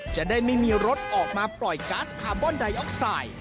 จะได้ไม่มีรถออกมาปล่อยก๊าซคาร์บอนไดออกไซด์